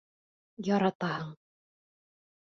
Яратаһың!